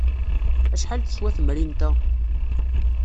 Acḥal teswa temrint-a?